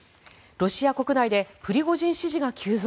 ロシア国内でプリゴジン支持が急増。